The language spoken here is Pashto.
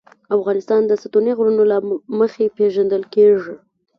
افغانستان د ستوني غرونه له مخې پېژندل کېږي.